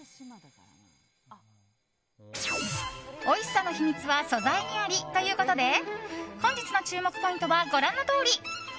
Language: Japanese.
おいしさの秘密は素材にありということで本日の注目ポイントはご覧のとおり。